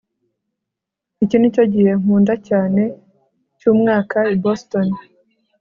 iki nicyo gihe nkunda cyane cyumwaka i boston